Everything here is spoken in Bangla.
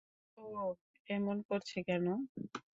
অহ, এমন করছ কেন!